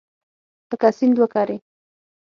لکه سیند وکرې